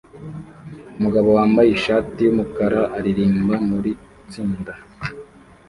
Umugabo wambaye ishati yumukara aririmba muritsinda